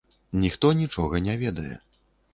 Ніхто нічога не ведае.